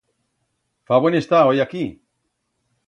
Fa buen estar hoi aquí.